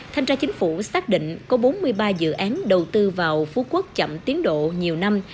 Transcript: thanh tra chính phủ xác định có bốn mươi ba dự án đầu tư vào phú quốc chậm tiến độ nhiều năm